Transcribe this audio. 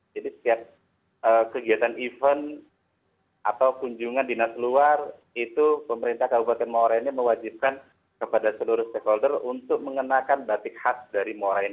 jadi setiap kegiatan event atau kunjungan dinas luar itu pemerintah kabupaten morenin mewajibkan kepada seluruh stakeholder untuk mengenakan batik khas dari morenin